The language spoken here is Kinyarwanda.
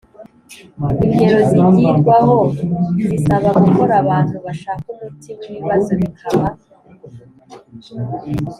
Ingero zigirwaho zisaba gukora abantu bashaka umuti w ibibazo bikaba